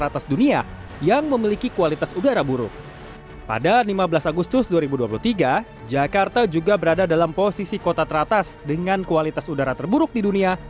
pada lima belas agustus dua ribu dua puluh tiga jakarta juga berada dalam posisi kota teratas dengan kualitas udara terburuk di dunia